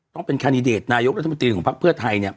ต้องเป็นคาร์นิเดทนายกรัฐมนตรีของพักเพื่อไทยเนี่ย